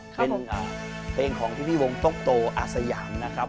เป็นเพลงของพี่วงต๊กโตอาสยามนะครับ